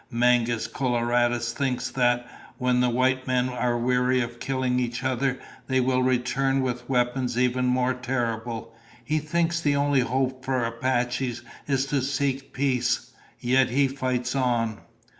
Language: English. Mangus Coloradus thinks that, when the white men are weary of killing each other, they will return with weapons even more terrible. He thinks the only hope for Apaches is to seek peace. Yet he fights on."